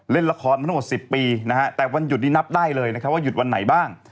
เล่นละครมาทั้งหมด๑๐ปีนะฮะแต่วันหยุดนี้นับได้เลยนะครับว่าหยุดวันไหนบ้าง